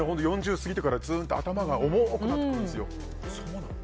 ４０を過ぎてからずっと頭が重くなってきたんですよ。